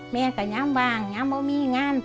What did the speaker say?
แม่ก็ย้ำว่างย้ำว่ามีงาน